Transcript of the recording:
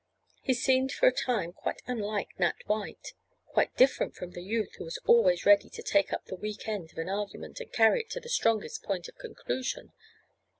He seemed for a time quite unlike Nat White—quite different from the youth who was always ready to take up the weak end of an argument and carry it to the strongest point of conclusion.